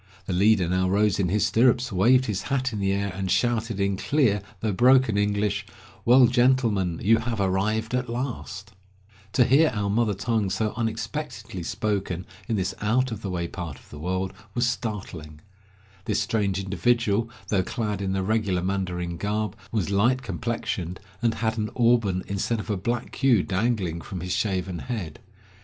The leader now rose in his stirrups, waved his hat in the air and shouted, in clear though broken English, "Well, gentlemen, you have arrived at last!" To hear 172 Across Asia on a Bicycle our mother tongue so unexpectedly spoken in this out of the way part of the world, was startling. This strange individual, although clad in the regular mandarin garb, was light complexioned, and had an auburn instead of a black queue dangling from his shaven head.